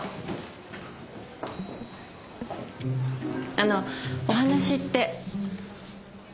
あのお話って？